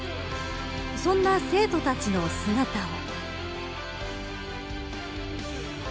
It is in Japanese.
そんな生徒たちの姿を。